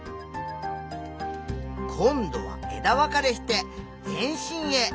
今度は枝分かれして全身へ。